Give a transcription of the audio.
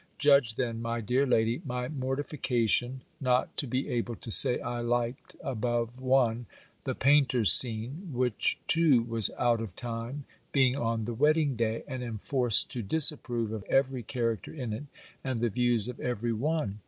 Judge then, my dear lady, my mortification, not to be able to say I liked above one, the Painter's scene, which too was out of time, being on the wedding day; and am forced to disapprove of every character in it, and the views of every one.